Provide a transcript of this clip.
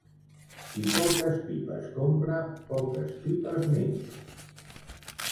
Qui poques pipes compra, poques pipes menja.